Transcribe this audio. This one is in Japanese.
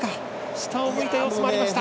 下を向いた様子もありました。